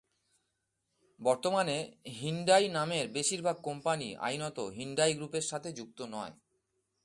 বর্তমানে, হিন্ডাই নামের বেশিরভাগ কোম্পানি আইনত হিন্ডাই গ্রুপের সাথে যুক্ত নয়।